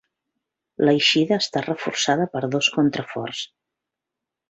L'eixida està reforçada per dos contraforts.